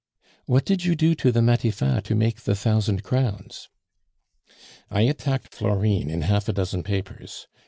"What did you do to the Matifat to make the thousand crowns?" "I attacked Florine in half a dozen papers.